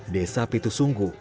desa pitu sungguh